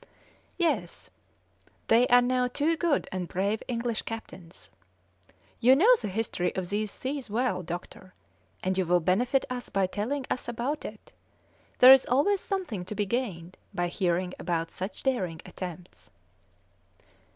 "Yes; they are now two good and brave English captains. You know the history of these seas well, doctor, and you will benefit us by telling us about it. There is always something to be gained by hearing about such daring attempts."